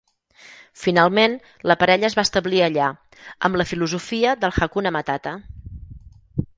Finalment, la parella es va establir allà amb la filosofia del "Hakuna Matata".